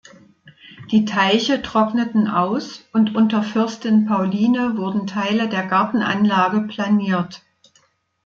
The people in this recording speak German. Die Teiche trockneten aus und unter Fürstin Pauline wurden Teile der Gartenanlage planiert.